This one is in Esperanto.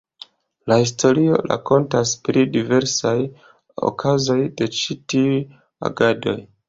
La historio rakontas pri diversaj okazoj de ĉi tiuj agadoj.